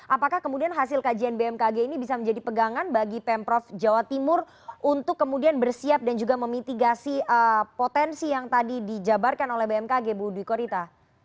apakah kemudian hasil kajian bmkg ini bisa menjadi pegangan bagi pemprov jawa timur untuk kemudian bersiap dan juga memitigasi potensi yang tadi dijabarkan oleh bmkg bu dwi korita